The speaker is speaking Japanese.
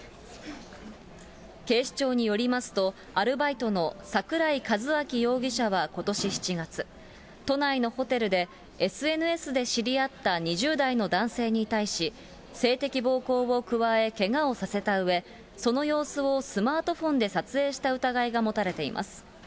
警視庁によりますと、アルバイトの桜井一彰容疑者はことし７月、都内のホテルでＳＮＳで知り合った２０代の男性に対し、性的暴行を加え、けがをさせたうえ、その様子をスマートフォンで撮影した疑いが持たれています。